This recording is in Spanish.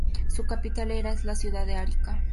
Su capital es la ciudad de Arica.